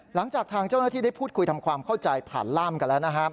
หลังจากทางเจ้าหน้าที่ได้พูดคุยทำความเข้าใจผ่านล่ามกันแล้วนะครับ